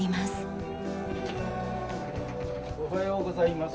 おはようございます。